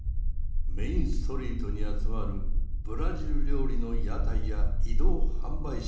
メインストリートに集まるブラジル料理の屋台や移動販売車でした。